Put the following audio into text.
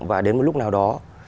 và đến một lúc nào đó